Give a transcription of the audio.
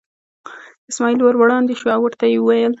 اسماعیل ور وړاندې شو او ورته یې وویل.